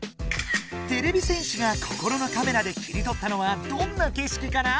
てれび戦士が心のカメラで切りとったのはどんな景色かな？